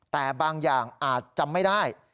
แต่บางอย่างอาจจำไม่ได้